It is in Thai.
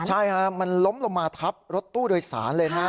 ใช่ฮะมันล้มลงมาทับรถตู้โดยสารเลยนะฮะ